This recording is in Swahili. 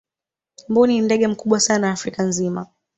mbuni ni ndege mkubwa sana afrika nzima